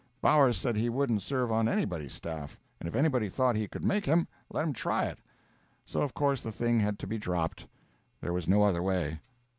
Bowers said he wouldn't serve on anybody's staff; and if anybody thought he could make him, let him try it. So, of course, the thing had to be dropped; there was no other way.